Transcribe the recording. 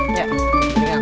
masa ini pak saum